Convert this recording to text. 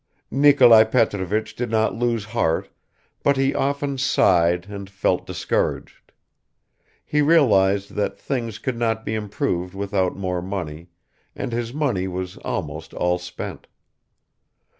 Nikolai Petrovich did not lose heart but he often sighed and felt discouraged; he realized that things could not be improved without more money, and his money was almost all spent.